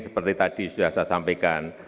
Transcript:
seperti tadi sudah saya sampaikan